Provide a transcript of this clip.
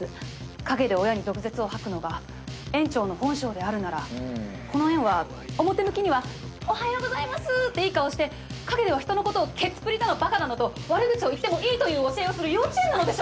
陰で親に毒舌を吐くのが園長の本性であるならこの園は表向きには「おはようございます」っていい顔して陰では人のことをケツぷりだのバカだのと悪口を言ってもいいという教えをする幼稚園なのでしょうか？